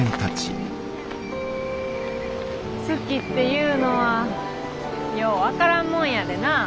好きっていうのはよう分からんもんやでな。